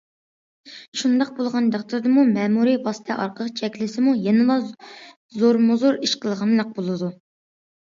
شۇنداق بولغان تەقدىردىمۇ، مەمۇرىي ۋاسىتە ئارقىلىق چەكلىسىمۇ، يەنىلا زورمۇزور ئىش قىلغانلىق بولىدۇ.